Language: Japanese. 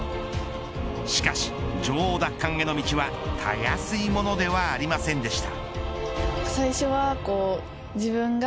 しかし女王奪還への道はたやすいものではありませんでした。